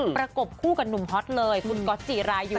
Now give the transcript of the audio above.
ประกบคู่กับหนุ่มฮอตเลยคุณก๊อตจิรายุ